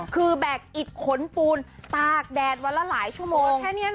คือแบกอิดขนปูนตากแดดวันละหลายชั่วโมงแค่นี้